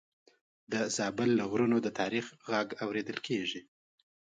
د زابل له غرونو د تاریخ غږ اورېدل کېږي.